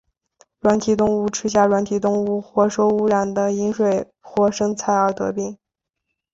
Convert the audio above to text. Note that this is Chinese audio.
软体动物吃下软体动物或受污染的饮水或生菜而得病。